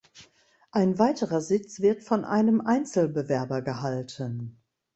Ein weiterer Sitz wird von einem Einzelbewerber gehalten.